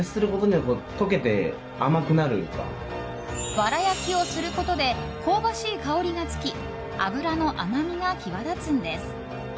わら焼きをすることで香ばしい香りがつき脂の甘みが際立つんです。